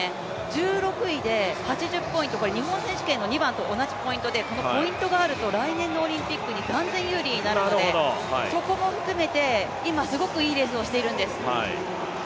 １６位で８０ポイント、日本選手権の２番と同じポイントでこのポイントがあると来年のオリンピックに断然有利になるので、そこも含めて今、すごくいいレースをしているんです。